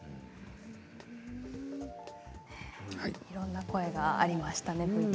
いろんな声がありましたね